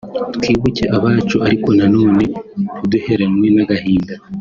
twibuke abacu ariko na none ntiduheranwe n’agahinda”